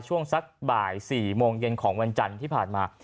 ช่วงสักบ่าย๔โมงเย็นของวันจันทร์ที่ผ่านมา